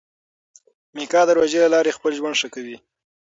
میکا د روژې له لارې خپل ژوند ښه کوي.